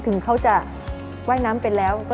ถึงเขาจะว่ายน้ำไปแล้ว